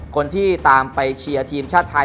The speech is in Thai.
คนที่ตามไปเชียร์ทีมชาติไทย